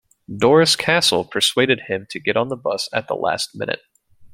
Doris Castle persuaded him to get on the bus at the last minute.